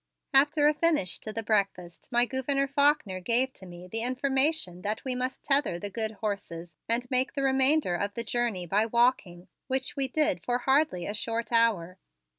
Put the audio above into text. After a finish to the breakfast, my Gouverneur Faulkner gave to me the information that we must tether the good horses and make the remainder of the journey by walking, which we did for hardly a short hour.